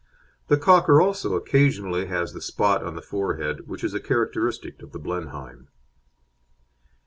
The Cocker also occasionally has the spot on the forehead which is a characteristic of the Blenheim.